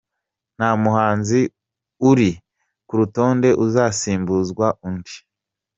Nta muhanzi uri ku rutonde uzasimbuzwa undi